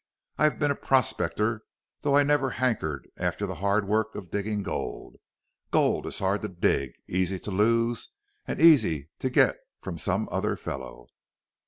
I've been a prospector, though I never hankered after the hard work of diggin' gold. Gold is hard to dig, easy to lose, an' easy to get from some other feller.